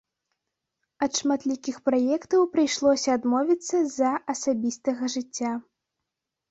Ад шматлікіх праектаў прыйшлося адмовіцца з-за асабістага жыцця.